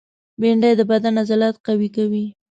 بېنډۍ د بدن عضلات قوي کوي